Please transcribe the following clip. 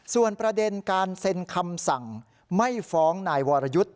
ส่วนประเด็นการเซ็นคำสั่งไม่ฟ้องนายวรยุทธ์